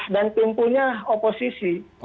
dan timpulnya oposisi